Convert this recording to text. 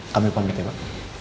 kami panggilnya pak